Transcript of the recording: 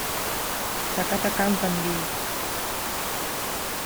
¡ sacad acá un candil !...